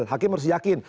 hakim harus yakin